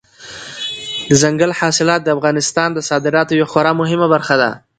دځنګل حاصلات د افغانستان د صادراتو یوه خورا مهمه برخه ده.